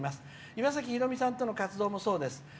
岩崎宏美さんとの活動もそうです。